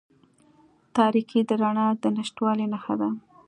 تاریکې د رڼا د نشتوالي نښه ده.